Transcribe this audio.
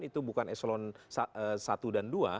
itu bukan eselon satu dan dua